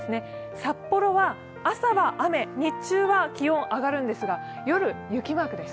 札幌は朝は雨、日中は気温、上がるんですが夜、雪マークです。